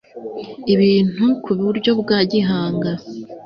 ibintu ku buryo bwa gihanga